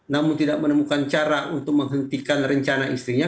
namun tidak menemukan cara untuk menghentikan rencana istrinya